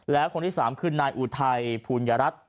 และคนที่๓คือนายอุทัยภูญรัตน์